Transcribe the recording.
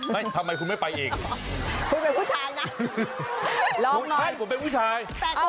พูดใช่ผมเป็นผู้ชาย